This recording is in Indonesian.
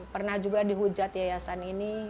pernah juga dihujat yayasan ini